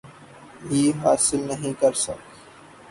ی حاصل نہیں کر سک